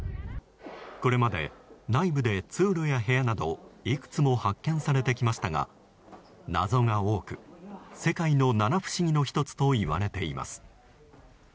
これまで内部で通路や部屋などいくつも発見されてきましたが謎が多く、世界の七不思議の１つといわれています。